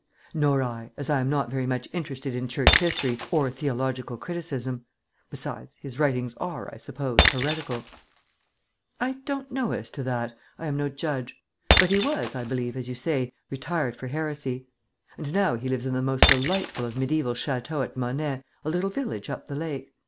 "Nor I, as I am not very much interested in Church history or theological criticism. Besides, his writings are, I suppose, heretical." "I don't know as to that; I am no judge. But he was, I believe, as you say, retired for heresy. And now he lives in the most delightful of mediæval châteaux at Monet, a little village up the lake.